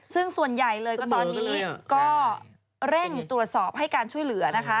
ซึ่งส่วนใหญ่เลยก็ตอนนี้ก็เร่งตรวจสอบให้การช่วยเหลือนะคะ